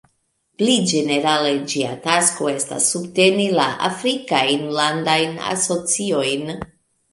Pli ĝenerale ĝia tasko estas subteni la Afrikajn landajn asociojn.